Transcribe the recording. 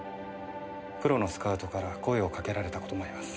プロのスカウトから声をかけられた事もあります。